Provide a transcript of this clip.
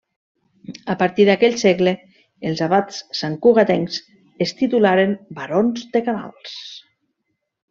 A partir d'aquell segle, els abats santcugatencs es titularen barons de Canals.